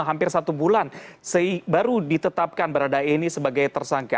hampir satu bulan baru ditetapkan baradae ini sebagai tersangka